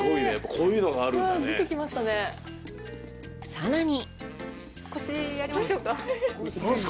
さらに。